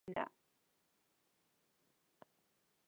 خاونده کوم يو پکې خوښ کړم مرګ او بېلتون راته جوړه راغلي دينه